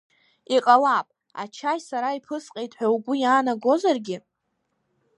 Иҟалап, ачаи сара иԥысҟеит ҳәа угәы иаанагозаргьы?